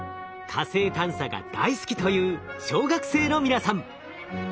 火星探査が大好きという小学生の皆さん。